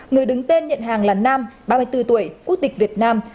người đứng tên nhận hàng là nam ba mươi bốn tuổi quốc tịch việt nam